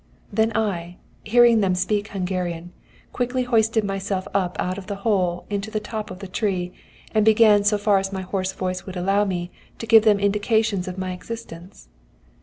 Then I, hearing them speak Hungarian, quickly hoisted myself up out of the hole into the top of the tree, and began so far as my hoarse voice would allow me, to give them indications of my existence.